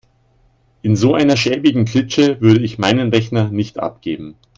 In so einer schäbigen Klitsche würde ich meinen Rechner nicht abgeben.